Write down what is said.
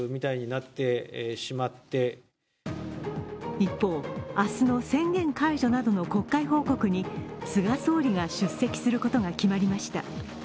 一方、明日の宣言解除などの国会報告に菅総理が出席することが決まりました。